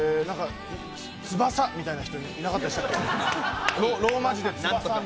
ツダさんみたいな人いなかったでしたっけ？